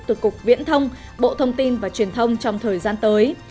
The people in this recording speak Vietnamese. từ cục viễn thông bộ thông tin và truyền thông trong thời gian tới